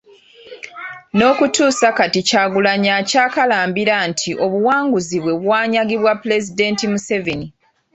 N'okutuusa kati Kyagulanyi akyakalambira nti obuwanguzi bwe bwanyagibwa Pulezidenti Museveni